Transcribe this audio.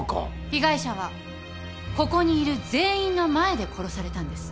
被害者はここにいる全員の前で殺されたんです。